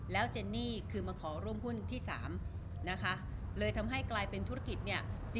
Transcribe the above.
แล้วเจนี่คือมาข้าร่วมหุ้นที่สามเลยทำให้กลายเป็นธุรกิจ